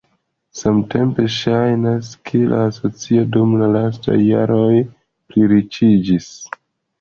Samtempe ŝajnas, ke la asocio dum la lastaj jaroj nur pliriĉiĝis.